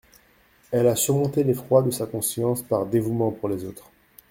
Elle a surmonté l'effroi de sa conscience par dévouement pour les autres.